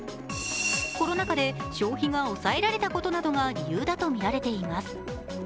コロナ禍で消費が抑えられたことなどが理由だとみられています。